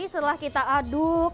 setelah kita aduk